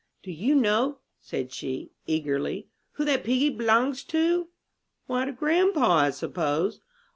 "Do you know," said she, eagerly, "who that piggy b'longs to?" "Why, to grandpa, I suppose."